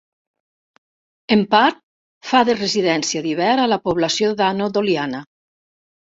En part fa de residència d'hivern a la població d'Ano Doliana.